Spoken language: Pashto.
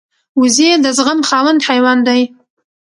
وزې د زغم خاوند حیوان دی